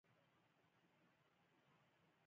د اردن خاطرې به تر ډېره عمره راسره وي.